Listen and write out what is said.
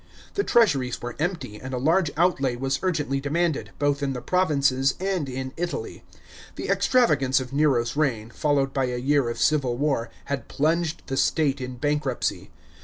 The treasuries were empty, and a large outlay was urgently demanded, both in the provinces and in Italy. The extra vagance of Nero's reign, followed by a year of civil war, had plunged the state in bankruptcy.